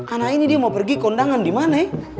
anak ini dia mau pergi kondangan dimana e